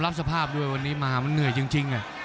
รับสภาพด้วยวันนี้มามันเหนื่อยจริง